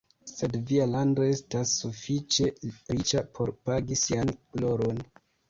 Sed via lando estas sufiĉe riĉa por pagi sian gloron.